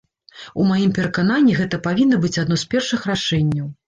У маім перакананні, гэта павінна быць адно з першых рашэнняў.